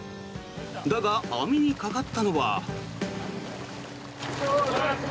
だが、網にかかったのは。